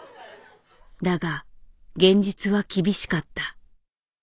だが現実は厳しかった。